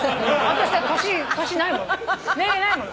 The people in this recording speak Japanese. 私年ないもん。